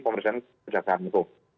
pemerintahan kejaksaan itu